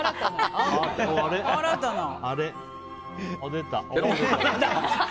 出た！